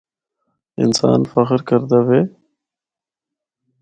انسان فخر کردا وے۔